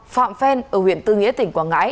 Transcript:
phạm phen ở huyện tư nghĩa tỉnh quảng ngãi